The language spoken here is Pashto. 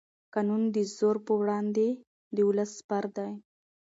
قانون د زور پر وړاندې د ولس سپر دی